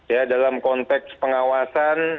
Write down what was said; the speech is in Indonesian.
ya dalam konteks pengawasan